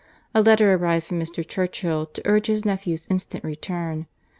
A letter arrived from Mr. Churchill to urge his nephew's instant return.